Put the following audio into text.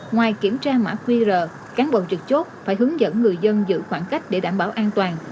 ngoài kiểm tra mã qr cán bộ trực chốt phải hướng dẫn người dân giữ khoảng cách để đảm bảo an toàn